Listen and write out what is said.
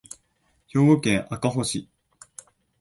兵庫県赤穂市